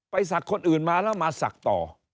ไปสักคนอื่นมาแล้วมาสักต่อ